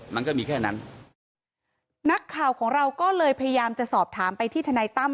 มันก็มีแค่นั้นนักข่าวของเราก็เลยพยายามจะสอบถามไปที่ทนายตั้ม